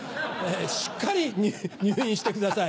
しっかり入院してください